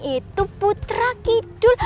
itu putra kidul